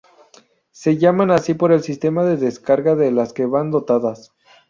Se llaman así por el sistema de descarga de las que van dotadas.